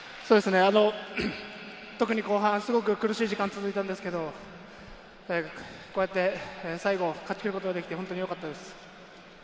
特に後半、すごく苦しい時間が続いたんですけど、最後勝ちきることができて本当によかったです。